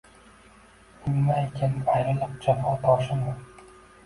Innaykin, ayriliq jafo toshini